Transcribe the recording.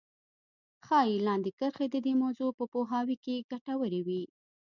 ښايي لاندې کرښې د دې موضوع په پوهاوي کې ګټورې وي.